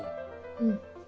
うん。